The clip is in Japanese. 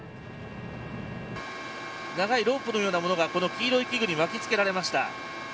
長いロープのようなものが黄色い器具に巻きつけられました。